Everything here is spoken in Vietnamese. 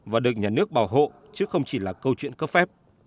và được nhà nước bảo hộ chứ không chỉ là câu chuyện cấp phép